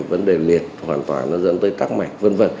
vấn đề liệt hoàn toàn nó dẫn tới tắc mạch v v